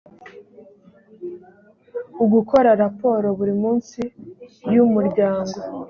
ugukora raporo buri munsi y’umuryango